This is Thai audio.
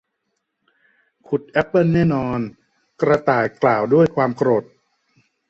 ขุดแอปเปิลแน่นอน กระต่ายกล่าวด้วยความโกรธ